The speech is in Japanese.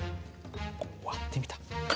割ってみた。